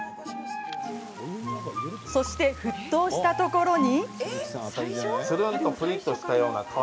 そして、沸騰したところに。